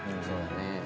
そうね。